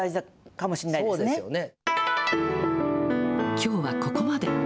きょうはここまで。